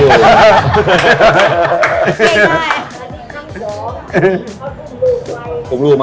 แล้วที่ข้างสองเขากลุ่มรูปไว้